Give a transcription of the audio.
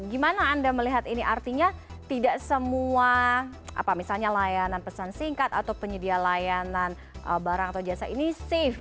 gimana anda melihat ini artinya tidak semua misalnya layanan pesan singkat atau penyedia layanan barang atau jasa ini safe